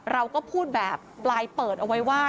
เราก็พูดแบบปลายเปิดเอาไว้ว่า